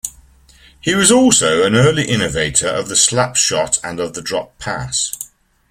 He was also an early innovator of the slapshot and of the drop pass.